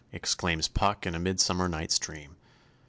exclaims Puck in _A Mid summer Night's Dream.